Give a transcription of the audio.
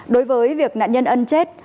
đối với việc nạn nhân ân chết